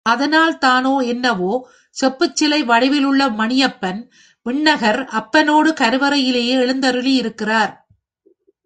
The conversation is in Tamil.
அதனால்தானோ என்னவோ செப்புச் சிலை வடிவில் உள்ள மணியப்பன் விண்ணகர் அப்பனோடு கருவறையிலேயே எழுந்தருளியிருக்கிறார்.